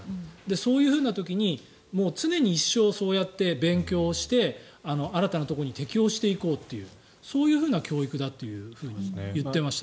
そういうふうな時に常に一生、そうやって勉強して新たなところに適応していこうというそういうふうな教育だと言っていました。